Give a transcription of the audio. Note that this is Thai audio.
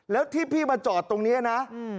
แล้วที่พี่มาจอดตรงนี้นะ